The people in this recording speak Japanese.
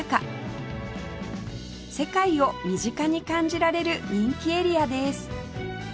世界を身近に感じられる人気エリアです